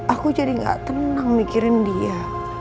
aku jadi gak tenang mikirin dia